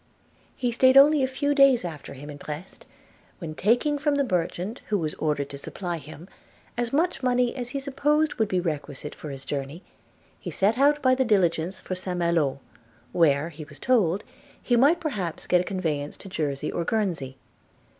He staid only a few days after him at Brest, when, taking from the merchant who was ordered to supply him, as much money as he supposed would be requisite for his journey, he set out by the diligence for St Malo, where, he was told, he might perhaps get a conveyance to Jersey or Guernsey.